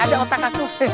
ada otak aku